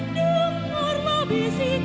dengar labis kita